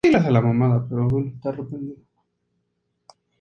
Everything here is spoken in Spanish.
Olor no perceptible, sabor amargo o astringente.